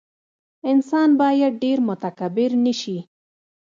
انسان باید ډېر متکبر نه شي.